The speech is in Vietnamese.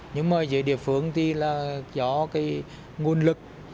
nhưng mà dưới địa phương thì là do cái nguồn lực